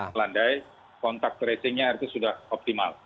melandai kontak tracingnya itu sudah optimal